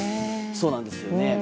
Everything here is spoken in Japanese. そうなんですよね。